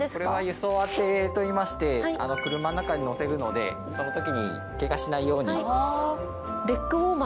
輸送あてといいまして車の中に乗せるのでそのときにケガしないように。